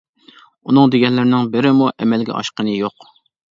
ئۇنىڭ دېگەنلىرىنىڭ بىرىمۇ ئەمەلگە ئاشقىنى يوق.